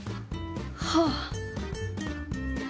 はあ。